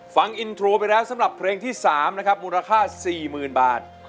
ฟังอินโทรไปแล้วสำหรับเพลงที่๓นะครับมูลค่า๔๐๐๐บาท